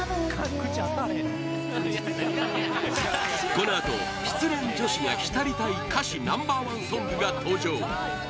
このあと、失恋女子が浸りたい歌詞Ｎｏ．１ソングが登場